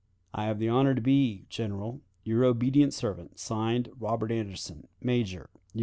"I have the honor to be, General, "Your obedient servant, (Signed) "Robert Anderson, "_Major U.